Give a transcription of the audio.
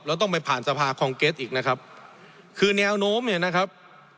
แล้วต้องไปผ่านสภาคองเก็ตอีกนะครับคือแนวโน้มเนี่ยนะครับ